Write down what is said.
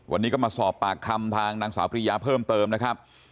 วันนี้ก็มาสอบปากคำทางนางสาวปริยาเพิ่มเติมนะครับ